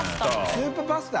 スープパスタ。